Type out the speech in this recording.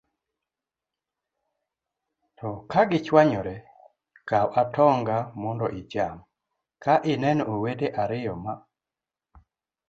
To ka gichwanyore, kaw atonga mondo icham. Ka ineno owete ariyo ma